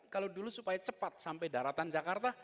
kalau dulu supaya cepat sampai daratan jakarta